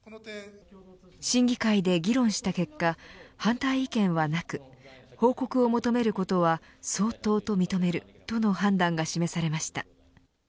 審議会で議論した結果反対意見はなく報告を求めることは相当と認めるとの判断が示されました。